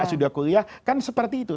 sudah kuliah kan seperti itu